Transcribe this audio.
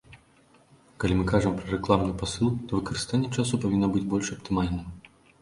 Калі мы кажам пра рэкламны пасыл, то выкарыстанне часу павінна быць больш аптымальным.